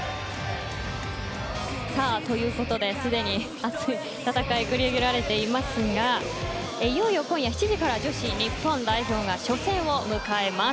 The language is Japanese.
ということで、すでに熱い戦いが繰り広げられていますがいよいよ今夜７時から女子日本代表が初戦を迎えます。